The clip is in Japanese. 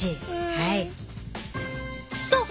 はい。